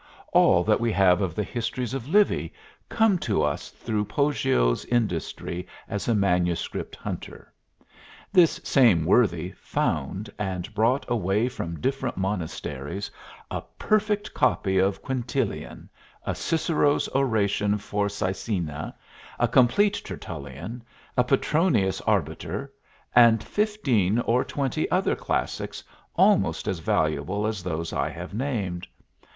All that we have of the histories of Livy come to us through Poggio's industry as a manuscript hunter; this same worthy found and brought away from different monasteries a perfect copy of Quintilian, a Cicero's oration for Caecina, a complete Tertullian, a Petronius Arbiter, and fifteen or twenty other classics almost as valuable as those I have named.